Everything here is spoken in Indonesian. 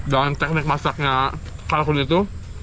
dan teknik masaknya karkun itu